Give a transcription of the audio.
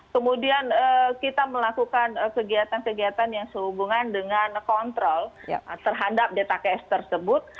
kemudian kita melakukan kegiatan kegiatan yang sehubungan dengan kontrol terhadap dtks tersebut